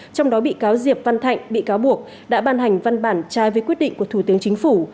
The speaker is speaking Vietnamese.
trong đó bị cáo diệp văn thạnh bị cáo buộc đã ban hành văn bản trai với quyết định của thủ tướng chính phủ